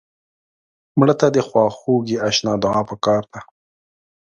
مړه ته د خواخوږۍ اشنا دعا پکار ده